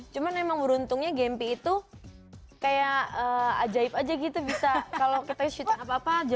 cuman emang beruntungnya gempy itu kayak ajaib aja gitu bisa kalo kita shoot apa apa jam kecil